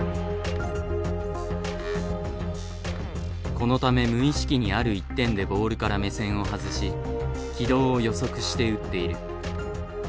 このため無意識にある一点でボールから目線を外し軌道を予測して打っている。